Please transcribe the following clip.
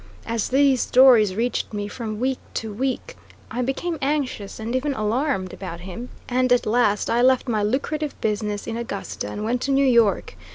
As these stories reached me from week to week, I became anxious and even alarmed about him, and at last I left my lucrative business in Augusta and went to New York.